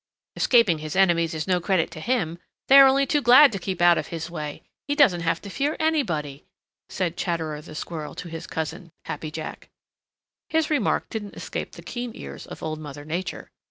"Escaping his enemies is no credit to him. They are only too glad to keep out of his way; he doesn't have to fear anybody," said Chatterer the Red Squirrel to his cousin, Happy Jack. His remark didn't escape the keen ears of Old Mother Nature.